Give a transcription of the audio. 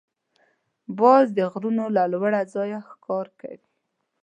باز د غرونو له لوړ ځایه ښکار کوي